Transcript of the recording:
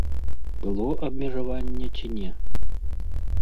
Было абмежаванне ці не.